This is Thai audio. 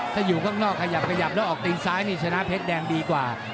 ถ้าอยู่ข้างนอกขยับขยับแล้วออกตีนซ้ายนี่ชนะเพชรแดงดีกว่า